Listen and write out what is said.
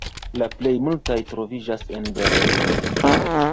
La plej multaj troviĝas en Berlino.